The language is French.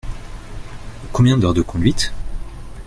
Combien d’heures de conduite ?